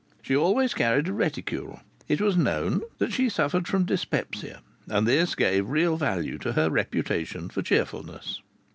She always carried a reticule. It was known that she suffered from dyspepsia, and this gave real value to her reputation for cheerfulness.